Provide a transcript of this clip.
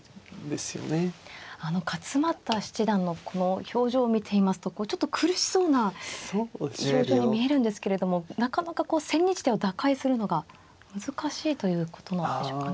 勝又七段のこの表情を見ていますとちょっと苦しそうな表情に見えるんですけれどもなかなか千日手を打開するのが難しいということなんでしょうか。